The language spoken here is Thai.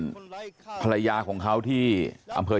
ชาวบ้านในพื้นที่บอกว่าปกติผู้ตายเขาก็อยู่กับสามีแล้วก็ลูกสองคนนะฮะ